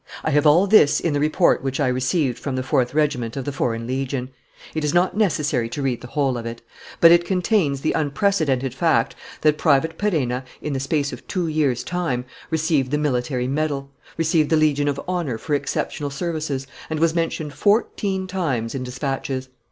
"I have all this in the report which I received from the Fourth Regiment of the Foreign Legion. It is not necessary to read the whole of it; but it contains the unprecedented fact that Private Perenna, in the space of two years' time, received the military medal, received the Legion of Honour for exceptional services, and was mentioned fourteen times in dispatches.